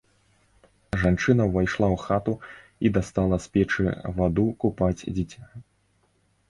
Жанчына ўвайшла ў хату і дастала з печы ваду купаць дзіця.